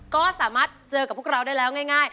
ก็สามารถเจอกับพวกเราได้แล้วง่าย